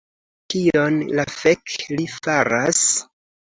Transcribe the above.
Kion la fek li faras?